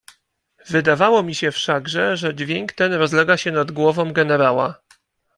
"Wydawało mi się wszakże, że dźwięk ten rozlega się nad głową generała."